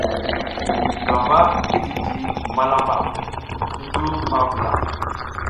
Gamba i jiji malamba cuncu ma vula.